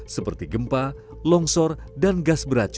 seperti gempa longsor dan gas beracun